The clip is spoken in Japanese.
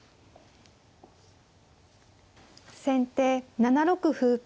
先手７六歩。